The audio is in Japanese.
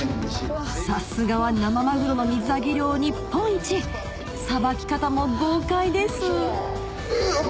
さすがは生マグロの水揚げ量日本一さばき方も豪快ですよっ！